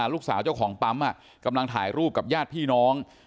เจ้าของปั๊มกำลังถ่ายรูปกับญาติพี่น้อง